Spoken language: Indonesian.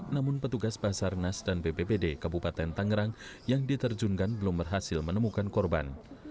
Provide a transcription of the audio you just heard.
namun petugas basarnas dan bppd kabupaten tangerang yang diterjunkan belum berhasil menemukan korban